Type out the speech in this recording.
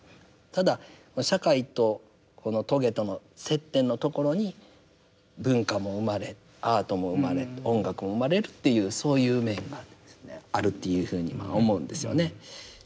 ただ社会とこの棘との接点のところに文化も生まれアートも生まれ音楽も生まれるっていうそういう面があるというふうに思うんですよね。